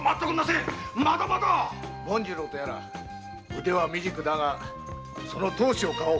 紋次郎とやら腕は未熟だがその闘志をかおう。